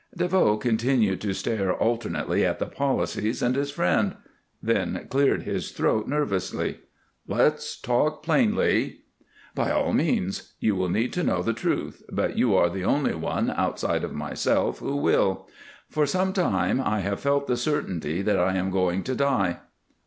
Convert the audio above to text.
DeVoe continued to stare alternately at the policies and his friend; then cleared his throat nervously. "Let's talk plainly." "By all means. You will need to know the truth, but you are the only one outside of myself who will. For some time I have felt the certainty that I am going to die."